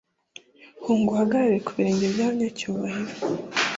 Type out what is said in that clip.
Hunga uhagarare ku birenge byabanyacyubahiro